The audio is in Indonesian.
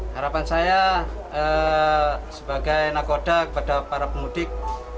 harapan saya sebagai nakoda kepada para pemudik